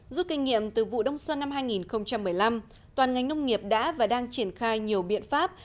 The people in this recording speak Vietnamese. rút kinh nghiệm từ vụ đông xuân năm hai nghìn một mươi năm toàn ngành nông nghiệp đã và đang triển khai nhiều biện pháp